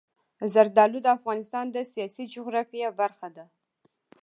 زردالو د افغانستان د سیاسي جغرافیه برخه ده.